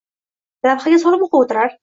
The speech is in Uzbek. lavhga solib oʼqib oʼtirar